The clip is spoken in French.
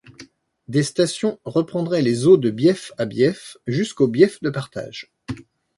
Des stations reprendraient les eaux de bief à bief jusqu’au bief de partage.